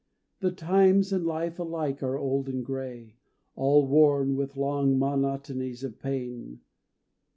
The times and life alike are old and grey, All worn with long monotonies of pain.